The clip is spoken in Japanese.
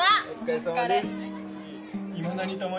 お疲れさまです。